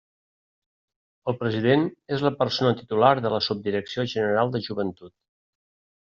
El president és la persona titular de la Subdirecció General de Joventut.